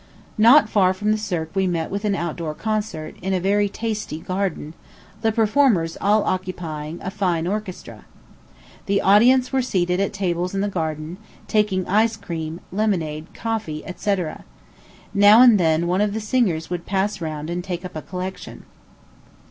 Not far from the Cirque we met with an out door concert, in a very tasty garden the performers all occupying a fine orchestra. The audience were seated at tables in the garden, taking ice cream, lemonade, coffee, &c. Now and then one of the singers would pass round and take up a collection.